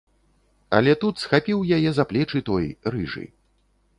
Але тут схапіў яе за плечы той, рыжы.